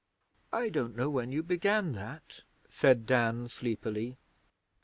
'I don't know when you began that,' said Dan, sleepily.